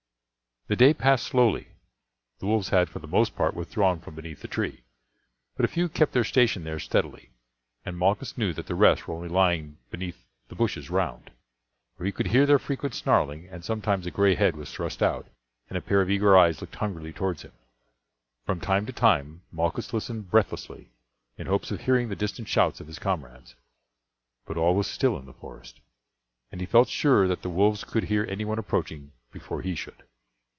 The day passed slowly. The wolves had for the most part withdrawn from beneath the tree, but a few kept their station there steadily, and Malchus knew that the rest were only lying beneath the bushes round; for he could hear their frequent snarling, and sometimes a gray head was thrust out, and a pair of eager eyes looked hungrily towards him. From time to time Malchus listened breathlessly in hopes of hearing the distant shouts of his comrades; but all was still in the forest, and he felt sure that the wolves would hear anyone approaching before he should.